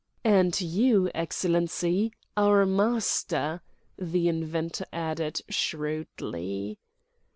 "And you, Excellency, our master," the inventor added, shrewdly.